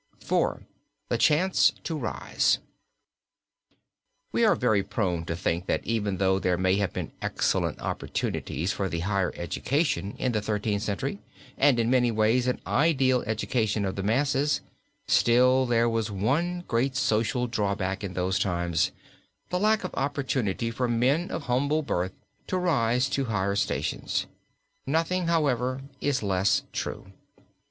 IV. THE CHANCE TO RISE. We are very prone to think that even though there may have been excellent opportunities for the higher education in the Thirteenth Century and, in many ways, an ideal education of the masses, still there was one great social drawback in those times, the lack of opportunity for men of humble birth to rise to higher stations. Nothing, however, is less true.